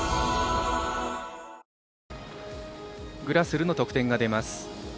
グラスルの得点が出ます。